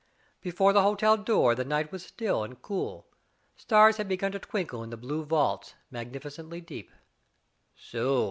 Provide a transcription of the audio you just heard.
Before the hotel door the night was still and cool; stars had begun to twinkle in the "blue vaults, magnificently deep."